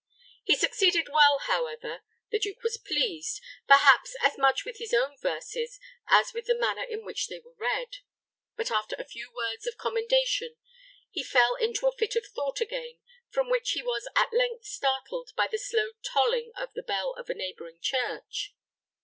He succeeded well, however. The duke was pleased, perhaps as much with his own verses as with the manner in which they were read. But, after a few words of commendation, he fell into a fit of thought again, from which he was at length startled by the slow tolling of the bell of a neighboring church.